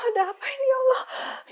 ada apa ini ya allah